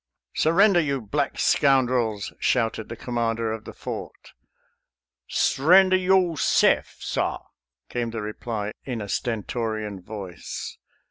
" Surrender, you black scoundrels !" shouted the commander of the fort. " S'rendah yo'seff, sah !" came the reply in a stentorian voice.